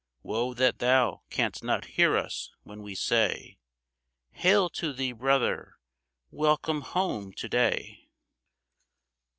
Woe that thou canst not hear us when we say, — "Hail to thee, brother, welcome home to day!